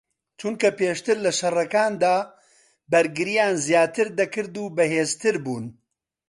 چونکە پێشتر لە شەڕەکاندا بەرگریان زیاتر دەکرد و بەهێزتر بوون